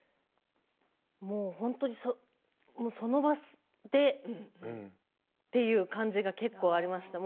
本当にその場でっていう感じが結構ありました。